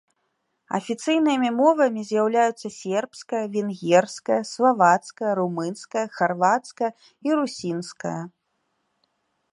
Афіцыйнымі мовамі з'яўляюцца сербская, венгерская, славацкая, румынская, харвацкая і русінская.